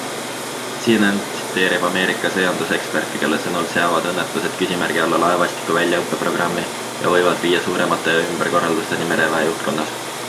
CNN tsiteerib Ameerika sõjanduseksperte, kelle sõnul seavad õnnetused küsimärgi alla laevastiku väljaõppeprogrammi ja võivad viia suuremate ümberkorraldusteni mereväe juhtkonnas.